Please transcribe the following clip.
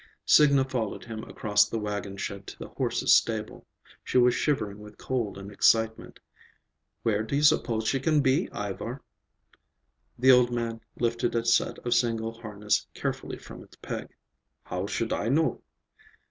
Signa followed him across the wagon shed to the horses' stable. She was shivering with cold and excitement. "Where do you suppose she can be, Ivar?" The old man lifted a set of single harness carefully from its peg. "How should I know?"